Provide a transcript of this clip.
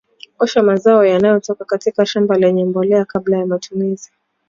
osha mazao yanayotoka katika shamba lenye mbolea kabla ya matumizi